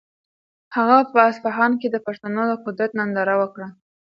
هغه په اصفهان کې د پښتنو د قدرت ننداره وکړه.